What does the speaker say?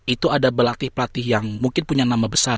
itu ada pelatih pelatih yang mungkin punya nama besar